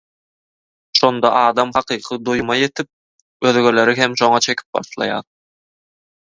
Şonda adam hakyky doýuma ýetip özgeleri hem şoňa çekip başlaýar.